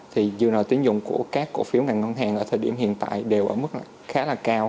thì dư nợ tín dụng của các cổ phiếu ngành ngân hàng ở thời điểm hiện tại đều ở mức khá là cao